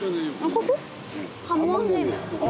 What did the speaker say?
ここ？